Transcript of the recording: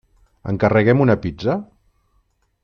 Encarreguem una pizza?